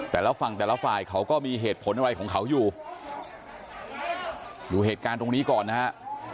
แต่ละฝั่งแต่ละฝ่ายเขาก็มีเหตุผลอะไรของเขาอยู่ดูเหตุการณ์ตรงนี้ก่อนนะฮะ